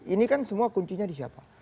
ini kan semua kuncinya di siapa